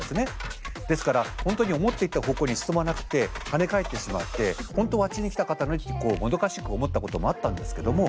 ですから本当に思っていた方向に進まなくて跳ね返ってしまって本当はあっちに行きたかったのにってこうもどかしく思ったこともあったんですけども。